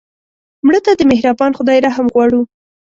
مړه ته د مهربان خدای رحم غواړو